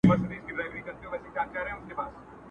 o سپمولي، سپو خوړلي!